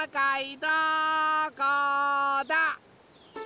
どこだ？